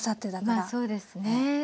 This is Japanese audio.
まあそうですね。